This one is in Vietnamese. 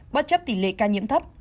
bất chấp tỷ lệ ca nhiễm thấp